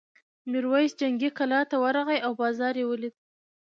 میرويس جنګي کلا ته ورغی او بازار یې ولید.